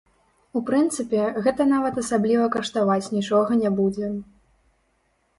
У прынцыпе, гэта нават асабліва каштаваць нічога не будзе.